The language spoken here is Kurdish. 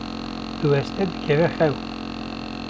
diweste dikeve xew.